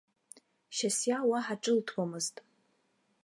Шьасиа уаҳа ҿылҭуамызт.